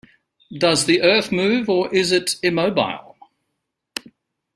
Does the Earth move or is it immobile?